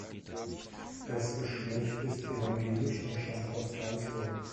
Das Geschlecht ist evangelisch und stammt aus Karlsruhe.